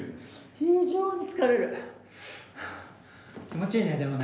非常に疲れる。